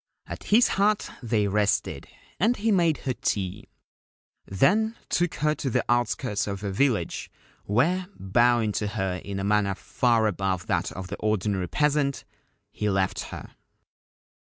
At his hut they rested, and he made her tea ; then took her to the outskirts of her village, where, bowing to her in a manner far above that of the ordinary peasant, he left her.